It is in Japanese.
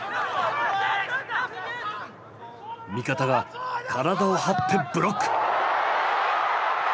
味方が体を張ってブロック。